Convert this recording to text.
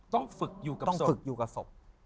ต้องฝึกอยู่กับศพ